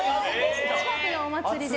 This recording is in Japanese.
近くのお祭りで。